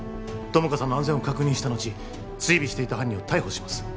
友果さんの安全を確認した後追尾していた犯人を逮捕します